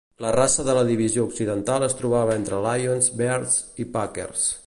La raça de la divisió occidental es trobava entre Lions, Bears i Packers.